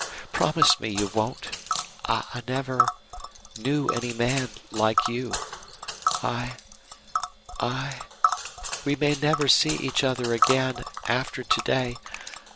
Promise me you won't. I never knew any man like you. I I we may never see each other again after to day.